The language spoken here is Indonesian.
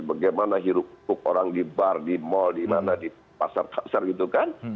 bagaimana hirup hirup orang di bar di mall di pasar pasar gitu kan